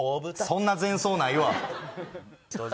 そんな前奏ないわ。